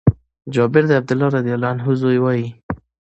جابر د عبدالله رضي الله عنه زوی وايي :